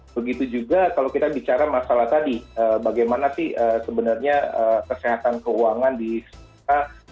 begitu juga kalau kita bicara masalah tadi bagaimana sih sebenarnya kesehatan keuangan di sana